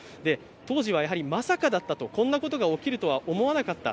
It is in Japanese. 当時はまさかだったと、こんなことが起きるとは思わなかった。